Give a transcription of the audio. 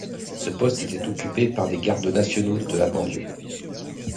Ce poste était occupé par des gardes nationaux de la banlieue.